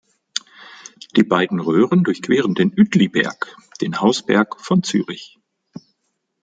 Die beiden Röhren durchqueren den Uetliberg, den Hausberg von Zürich.